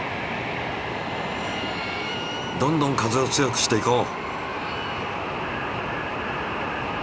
どんどん風を強くしていこう！